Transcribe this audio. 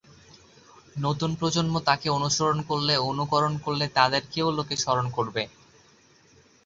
নতুন প্রজন্ম তাঁকে অনুসরণ করলে, অনুকরণ করলে তাঁদেরকেও লোকে স্মরণ করবে।